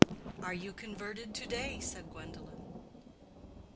"Are you converted to day?" said Gwendolen.